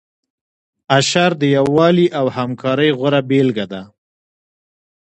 اشر د یووالي او همکارۍ غوره بیلګه ده.